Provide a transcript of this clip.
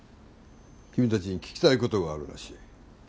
君たちに聞きたい事があるらしい。